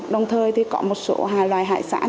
đồng thời thì có một số loại hải sản